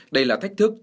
đây là thách thức